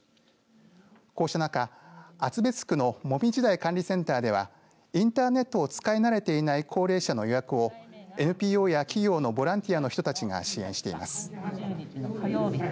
こうした中、厚別区のもみじ台管理センターではインターネットを使い慣れていない高齢者の予約をＮＰＯや企業のボランティアの人たちが支援しています。